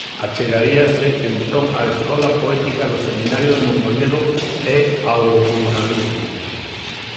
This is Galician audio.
Achegaríase entón á Escola Poética do Seminario de Mondoñedo e ao Ruralismo.